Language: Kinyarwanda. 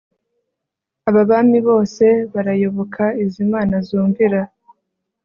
Aba bami bose barayoboka izi mana zumvira